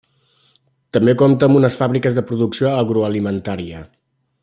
També compta amb unes fàbriques de producció agroalimentària.